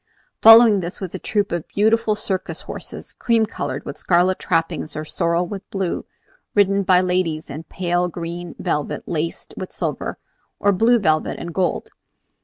Following this was a troupe of beautiful circus horses, cream colored with scarlet trappings, or sorrel with blue, ridden by ladies in pale green velvet laced with silver, or blue velvet and gold.